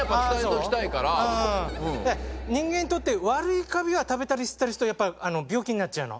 人間にとって悪いカビは食べたり吸ったりするとやっぱ病気になっちゃうの。